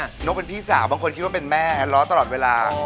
นพี่โน๊กเป็นพี่สาวบางคนคิดว่าเป็นแม่อะเลาะตลอดเวลา